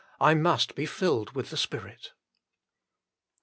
I must be filled with the Spirit."